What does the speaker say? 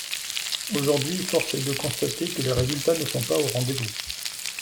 Aujourd’hui, force est de constater que les résultats ne sont pas au rendez-vous.